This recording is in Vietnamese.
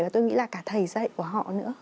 tôi nghĩ là cả thầy dạy của họ nữa